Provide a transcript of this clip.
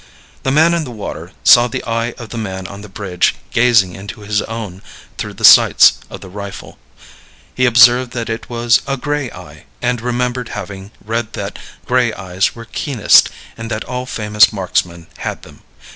The man in the water saw the eye of the man on the bridge gazing into his own through the sights of the rifle. He observed that it was a gray eye, and remembered having read that gray eyes were keenest and that all famous marksmen had them.